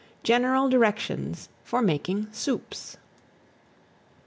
GENERAL DIRECTIONS FOR MAKING SOUPS.